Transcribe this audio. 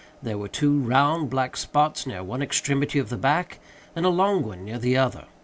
There were two round, black spots near one extremity of the back, and a long one near the other.